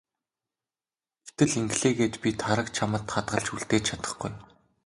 Гэтэл ингэлээ гээд би Тараг чамд хадгалж үлдээж чадахгүй.